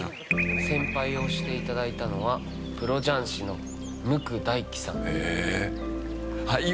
洗牌をしていただいたのはプロ雀士の椋大樹さん。